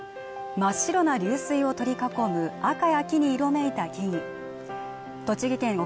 真っ白な流水を取り囲む赤や黄に色めいた木々栃木県奥